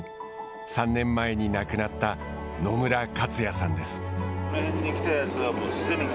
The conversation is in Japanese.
３年前に亡くなった野村克也さんです。